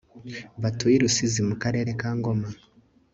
batuye i rusizi mukarere kangoma